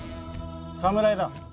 侍だ。